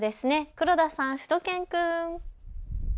黒田さん、しゅと犬くん。